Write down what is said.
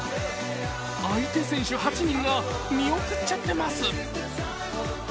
相手選手８人が見送っちゃってます